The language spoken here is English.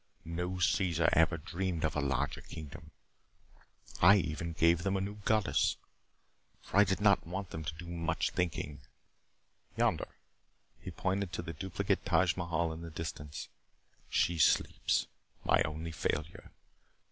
No Caesar ever dreamed of a larger kingdom. I even gave them a new goddess for I did not want them to do much thinking. Yonder." He pointed to the duplicate Taj Mahal in the distance. "She sleeps. My only failure.